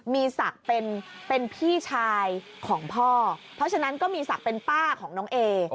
มีศักดิ์เป็นพี่ชายของพ่อเพราะฉะนั้นก็มีศักดิ์เป็นป้าของน้องเอ